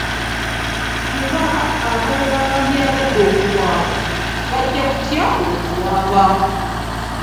Kuba abalala abandyagadde okuwaaba bajja kutya okuwaaba.